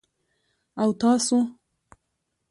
_او تاسو؟